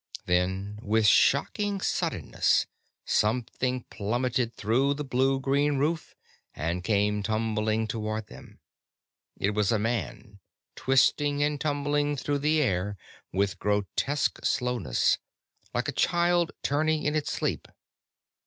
Then, with shocking suddenness, something plummeted through the blue green roof and came tumbling toward them. It was a man, twisting and tumbling through the air with grotesque slowness, like a child turning in its sleep.